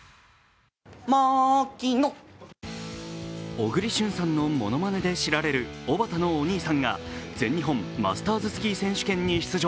小栗旬さんのものまねで知られるおばたのお兄さんが全日本マスターズスキー選手権に出場。